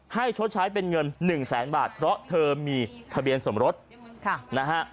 ชดใช้เป็นเงินหนึ่งแสนบาทเพราะเธอมีทะเบียนสมรสนะฮะ